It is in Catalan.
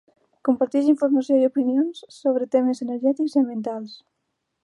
Comparteix informació i opinions sobre temes energètics i ambientals